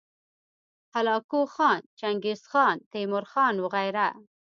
هلاکو خان، چنګیزخان، تیمورخان وغیره